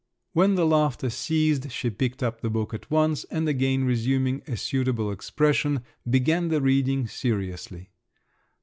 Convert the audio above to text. When the laughter ceased, she picked up the book at once, and again resuming a suitable expression, began the reading seriously.